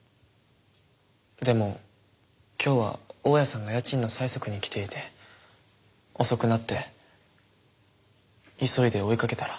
でも今日は大家さんが家賃の催促に来ていて遅くなって急いで追いかけたら。